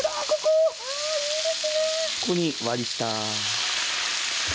ここに割り下。